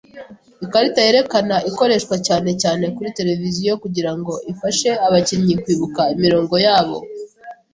Ikarita yerekana ikoreshwa cyane cyane kuri tereviziyo kugirango ifashe abakinnyi kwibuka imirongo yabo.